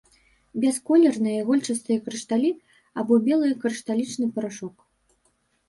Бясколерныя ігольчастыя крышталі або белы крышталічны парашок.